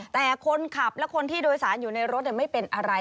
แต่คนขับและคนที่โดยสารอยู่ในรถไม่เป็นอะไร